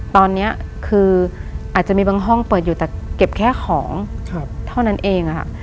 ตอนนี้คืออาจจะมีบางห้องเปิดอยู่แต่เก็บแค่ของเท่านั้นเองค่ะ